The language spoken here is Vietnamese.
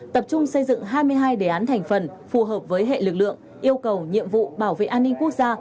tập trung xây dựng hai mươi hai đề án thành phần phù hợp với hệ lực lượng yêu cầu nhiệm vụ bảo vệ an ninh quốc gia